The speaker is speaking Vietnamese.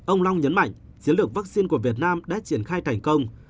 ông long nhấn mạnh chiến lược vaccine của việt nam đã triển khai thành công